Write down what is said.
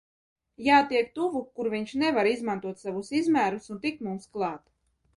Jātiek tuvu, kur viņš nevar izmantot savus izmērus un tikt mums klāt!